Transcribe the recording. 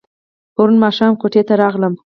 پرون ماښام کوټې ته راغلم.